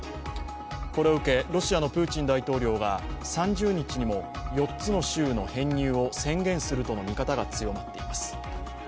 これを受け、ロシアのプーチン大統領が３０日にも４つの州の編入を宣言するとの見方が強まっています。